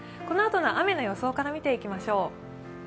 このあとの雨の予想から見ていきましょう。